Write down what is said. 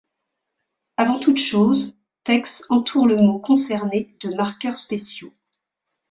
Avant toute chose, TeX entoure le mot concerné de marqueurs spéciaux.